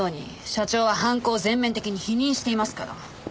社長は犯行を全面的に否認していますから。